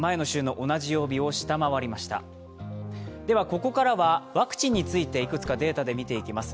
ここからはワクチンについていくつかデータで見ていきます。